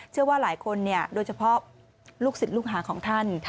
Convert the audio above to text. เชื่อว่าหลายคนโดยเฉพาะลูกศิษย์ลูกหาของท่าน